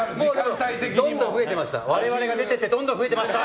どんどん増えてました。